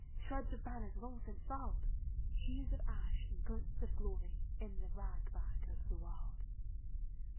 Shreds of banners long since furled! Hues of ash and glints of glory, In the rag bag of the world!